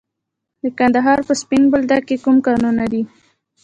د کندهار په سپین بولدک کې کوم کانونه دي؟